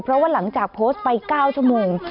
เพราะว่าหลังจากโพสต์ไป๙ชั่วโมง